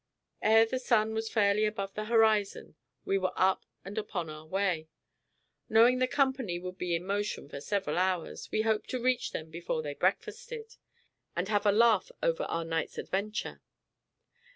Ere the sun was fairly above the horizon, we were up and upon our way. Knowing the company would not be in motion for several hours, we hoped to reach them before they breakfasted, and have a laugh over our night's adventure.